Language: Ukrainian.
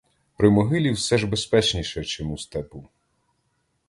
При могилі все ж безпечніше, чим у степу.